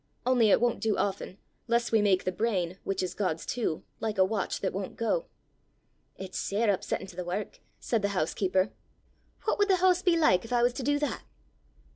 Only it won't do often, lest we make the brain, which is God's too, like a watch that won't go." "It's sair upsettin' to the wark!" said the housekeeper. "What would the hoose be like if I was to do that!"